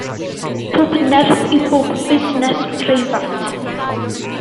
Pob nerth i bob busnes preifat.